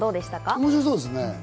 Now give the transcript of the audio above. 面白そうですね。